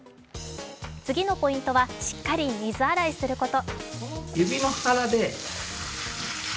次のポイントはしっかり水洗いすること。